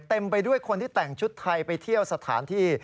เต็มไปด้วยคนที่แต่งชุดไทยไปเที่ยวสถานที่